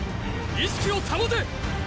意識を保てっ！